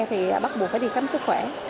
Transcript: thì bắt buộc phải đi khám xuất